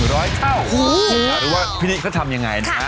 รู้ว่าพี่นิก็ทำยังไงนะ